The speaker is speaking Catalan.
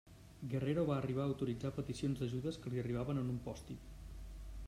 Guerrero va arribar a autoritzar peticions d'ajudes que li arribaven en un post-it.